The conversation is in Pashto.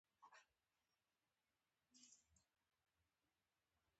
درناوی د انسان د شخصیت لوړوالي یوه نښه ده.